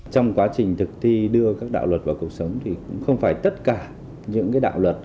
trong quá trình thực thi đưa các đạo luật vào cuộc sống thì cũng không phải tất cả những đạo luật